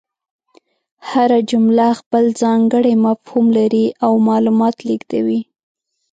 هره جمله خپل ځانګړی مفهوم لري او معلومات لېږدوي.